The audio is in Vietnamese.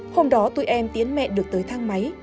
hôm đó tụi em tiến mẹ được tới thang máy